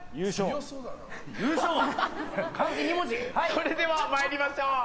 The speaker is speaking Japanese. それでは参りましょう。